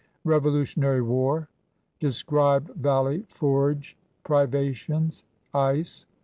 Revolutionary War. Describe Valley Forge privations. Ice.